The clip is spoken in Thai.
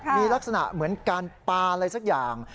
มีลักษณะเหมือนการปลาอะไรสักอย่าง